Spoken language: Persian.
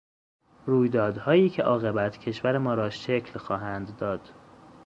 رویدادهایی که عاقبت کشور ما را شکل خواهند داد